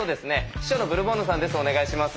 秘書のブルボンヌさんです。